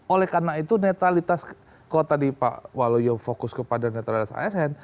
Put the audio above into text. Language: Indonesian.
oleh karena itu netralitas kalau tadi pak waloyo fokus kepada netralitas asn